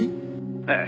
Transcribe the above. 「ええ。